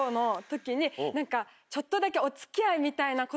ちょっとだけ。